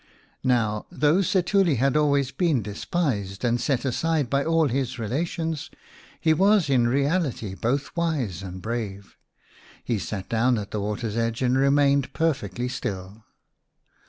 Now, though Setuli had always been despised and set aside by all his relations, he was in reality both wise and brave. He sat down at the water's edge and remained perfectly still.